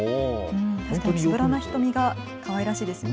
確かにつぶらな瞳がかわいらしいですね。